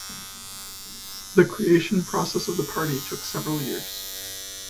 The creation process of the party took several years.